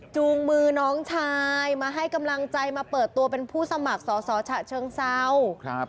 จูงมือน้องชายมาให้กำลังใจมาเปิดตัวเป็นผู้สมัครสอสอฉะเชิงเศร้า